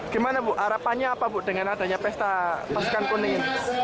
gimana bu harapannya apa bu dengan adanya pesta pasukan kuning ini